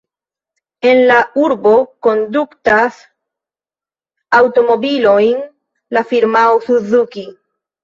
En la urbo produktas aŭtomobilojn la firmao Suzuki.